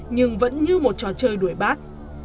nhưng vẫn như một trò chơi đuổi bắt